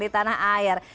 di tanah air